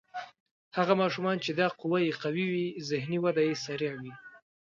هغه ماشومان چې دا قوه یې قوي وي ذهني وده یې سریع وي.